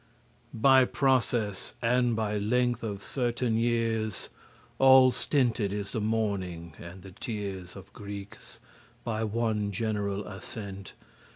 By process and by length of certain years All stinted* is the mourning and the tears *ended Of Greekes, by one general assent.